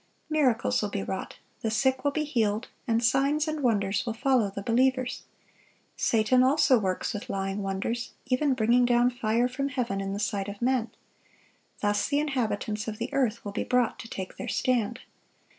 Miracles will be wrought, the sick will be healed, and signs and wonders will follow the believers. Satan also works with lying wonders, even bringing down fire from heaven in the sight of men.(1052) Thus the inhabitants of the earth will be brought to take their stand.